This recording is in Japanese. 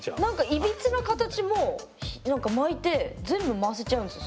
いびつな形も何か巻いて全部回せちゃうんですよ